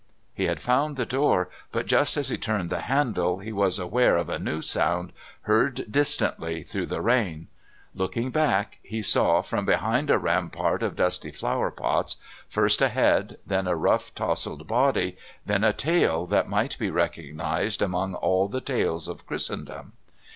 He had found the door, but just as he turned the handle he was aware of a new sound, heard distantly, through the rain. Looking back he saw, from behind a rampart of dusty flower pots, first a head, then a rough tousled body, then a tail that might be recognised amongst all the tails of Christendom.